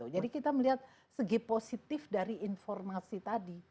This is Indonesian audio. jadi kita melihat segi positif dari informasi tadi